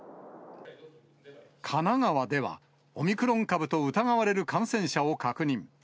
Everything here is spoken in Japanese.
神奈川では、オミクロン株と疑われる感染者を確認。